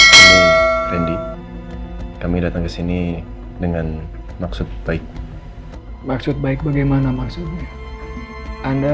hai rendy kami datang ke sini dengan maksud baik maksud baik bagaimana maksudnya anda